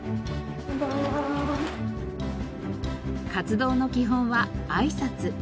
活動の基本はあいさつ。